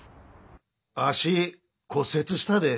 足骨折したでぇ。